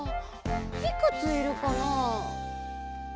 いくついるかな。